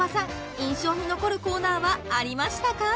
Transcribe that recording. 印象に残るコーナーはありましたか？